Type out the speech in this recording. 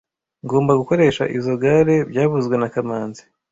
Ngomba gukoresha izoi gare byavuzwe na kamanzi